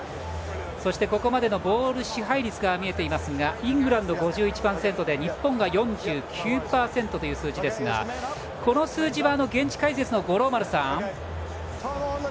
そしてここまでのボール支配率が見えていましたがイングランドが５１％で日本、４９％という数字ですがこの数字は現地解説の五郎丸さん